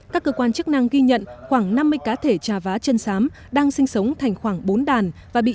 các cơ quan chức năng ghi nhận khoảng năm mươi cá thể trà vá chân sám đang sinh sống thành khoảng bốn đàn